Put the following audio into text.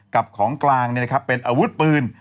กับของกลางเนี่ยนะครับเป็นอาวุธปืน